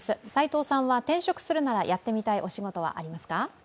齋藤さんは転職するならやってみたいお仕事はありますか？